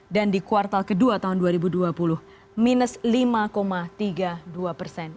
dan di kuartal kedua tahun dua ribu dua puluh minus lima tiga puluh dua persen